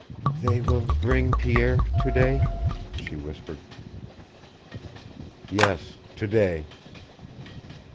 "They will bring Pierre to day " she whispered. "Yes to day."